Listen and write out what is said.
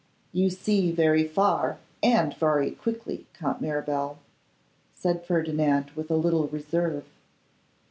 'You see very far, and very quickly, Count Mirabel,' said Ferdinand, with a little reserve.